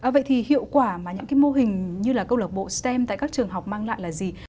vậy thì hiệu quả mà những cái mô hình như là câu lạc bộ stem tại các trường học mang lại là gì